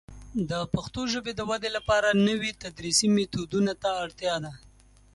د پښتو ژبې د ودې لپاره نوي تدریسي میتودونه ته اړتیا ده.